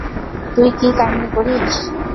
তুই কী কাহিনী করিস?